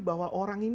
bahwa orang ini